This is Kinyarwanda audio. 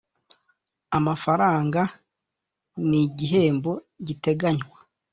amafaranga ni igihembo giteganywa